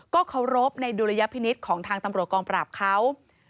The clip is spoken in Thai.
ก็เคารพในดุลยพินิษฐ์ของทางตำรวจกองปราบเขา